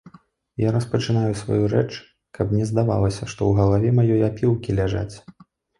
Я распачынаю сваю рэч, каб не здавалася, што ў галаве маёй апілкі ляжаць.